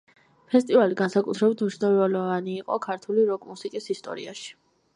ფესტივალი განსაკუთრებით მნიშვნელოვანი იყო ქართული როკ-მუსიკის ისტორიაში.